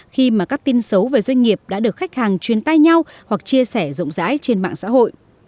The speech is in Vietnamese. khi mà các tin xấu về doanh nghiệp đã được khách hàng truyền tay nhau hoặc chia sẻ rộng rãi trên mạng xã hội